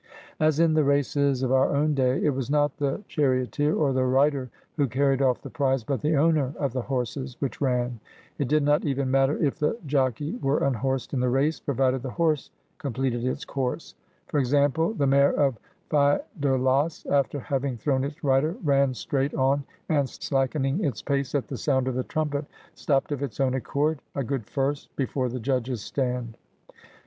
As in the races of our own day, it was not the chariot eer or the rider who carried off the prize, but the owner of the horses which ran. It did not even matter if the jockey were unhorsed in the race, provided the horse completed its course. For example, the mare of Pheido las, after having thrown its^ rider, ran straight on, and ^ See the selection following. 69 GREECE slackening its pace at the sound of the trumpet, stopped of its own accord, a good first, before the judges' stand.